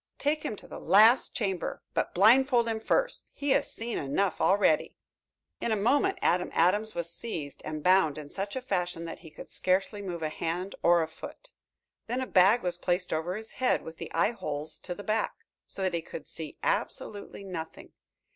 "Take him to the last chamber. But blindfold him first. He has seen enough already." In a moment Adam Adams was seized and bound in such a fashion that he could scarcely move a hand or a foot. Then a bag was placed over his head, with the eye holes to the back, so that he could see absolutely nothing.